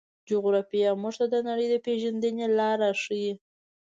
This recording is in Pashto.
جغرافیه موږ ته د نړۍ د پېژندنې لاره راښيي.